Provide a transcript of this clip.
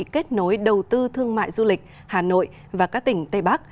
kết nối đầu tư thương mại du lịch hà nội và các tỉnh tây bắc